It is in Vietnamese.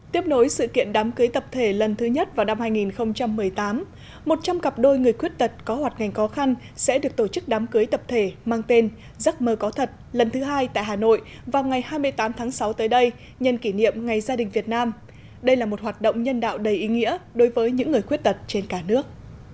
tiếp nối sự kiện đám cưới tập thể lần thứ nhất vào năm hai nghìn một mươi tám một trăm linh cặp đôi người khuyết tật có hoạt ngành khó khăn sẽ được tổ chức đám cưới tập thể mang tên giấc mơ có thật lần thứ hai tại hà nội vào ngày hai mươi tám tháng sáu tới đây nhân kỷ niệm ngày gia đình việt nam đây là một hoạt động nhân đạo đầy ý nghĩa đối với những người khuyết tật trên cả nước